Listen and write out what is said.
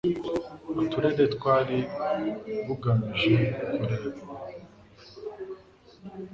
Uturere bwari bugamije kureba